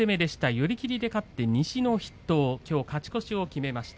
寄り切りで勝って勝ち越しを決めました。